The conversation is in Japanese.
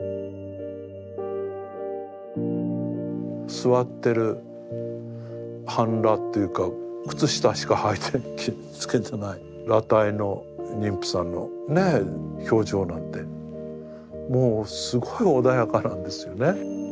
座ってる半裸というか靴下しかつけてない裸体の妊婦さんのねえ表情なんてもうすごい穏やかなんですよね。